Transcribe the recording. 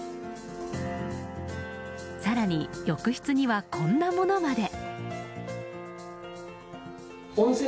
更に、浴室にはこんなものまで。